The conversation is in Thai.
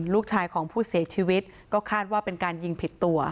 ลูกชายของผู้เสียชีวิตก็คาดว่าเป็นการยิงผิดตัว